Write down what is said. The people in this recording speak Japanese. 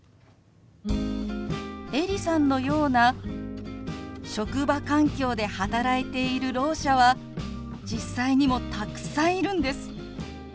エリさんのような職場環境で働いているろう者は実際にもたくさんいるんです。